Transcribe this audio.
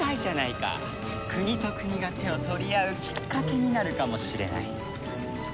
国と国が手を取り合うきっかけになるかもしれない。